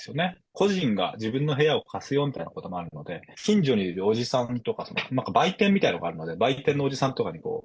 個人が自分の部屋を貸すよみたいなこともあるので、近所にいるおじさんとか、売店みたいなとこあるんで、売店のおじさんとかにこう、